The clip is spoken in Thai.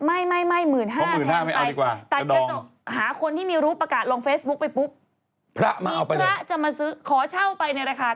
ไม่หมื่นห้าแทนไปแต่กระจกหาคนที่มีรูปประกาศลงเฟซบุ๊บไปปุ๊บมีพระจะมาซื้อขอเช่าไปในราคา๙๙๙๙บาท